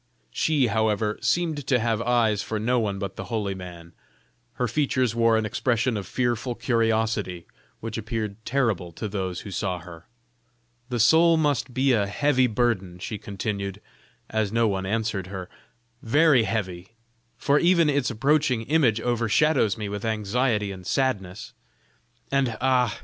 She, however, seemed to have eyes for no one but the holy man; her features wore an expression of fearful curiosity, which appeared terrible to those who saw her. "The soul must be a heavy burden," she continued, as no one answered her, "very heavy! for even its approaching image overshadows me with anxiety and sadness. And, ah!